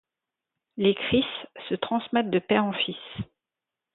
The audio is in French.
Les kriss se transmettent de père en fils.